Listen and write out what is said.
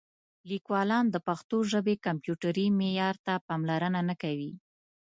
لیکوالان د پښتو ژبې کمپیوټري معیار ته پاملرنه نه کوي.